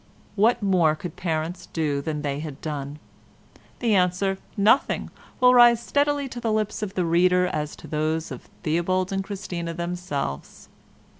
What more could parents do than they had done? The answer "Nothing" will rise as readily to the lips of the reader as to those of Theobald and Christina themselves.